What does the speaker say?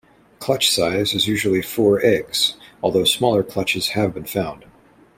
Clutch size is usually four eggs, although smaller clutches have been found.